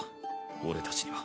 俺たちには。